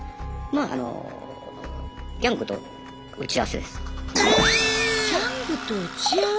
まああのギャングと打ち合わせです。